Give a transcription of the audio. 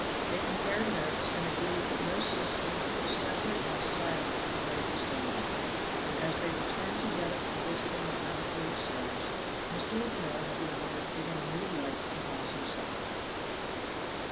They compared notes, and agreed that no system but the separate and silent had a leg to stand on; and as they returned together from visiting the ground floor cells, Mr. Lepel had the honor of giving a new light to Hawes himself.